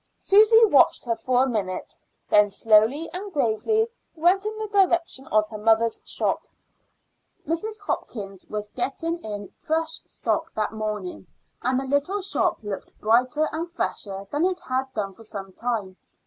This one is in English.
Susy watched her for a minute, then slowly and gravely went in the direction of her mother's shop. Mrs. Hopkins was getting in fresh stock that morning, and the little shop looked brighter and fresher than it had done for some time.